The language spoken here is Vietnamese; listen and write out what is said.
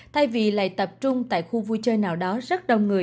thay vì lại tập trung tại khu vui chơi nào đó rất đông người